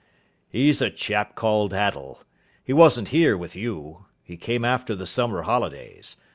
"He's a chap called Attell. He wasn't here with you. He came after the summer holidays.